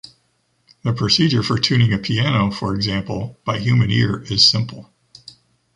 The procedure for tuning a piano, for example, by human ear, is simple.